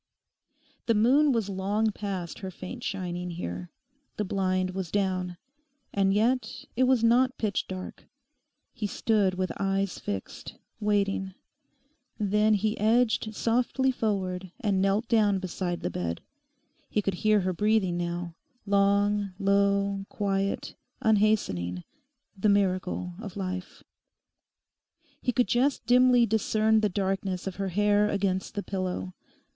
The moon was long past her faint shining here. The blind was down. And yet it was not pitch dark. He stood with eyes fixed, waiting. Then he edged softly forward and knelt down beside the bed. He could hear her breathing now: long, low, quiet, unhastening—the miracle of life. He could just dimly discern the darkness of her hair against the pillow.